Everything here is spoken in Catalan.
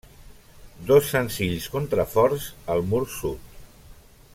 Dos senzills contraforts al mur sud.